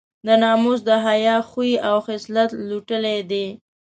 د ناموس د حیا خوی او خصلت لوټلی دی.